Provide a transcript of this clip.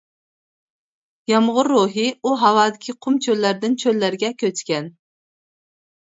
يامغۇر روھى ئۇ ھاۋادىكى قۇم چۆللەردىن چۆللەرگە كۆچكەن.